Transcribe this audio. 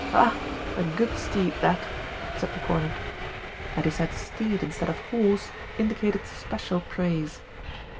'Ah, a good steed that!' said the cornet. That he said steed instead of HORSE indicated special praise.